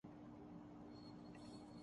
صبر آزما چاہتا ہوں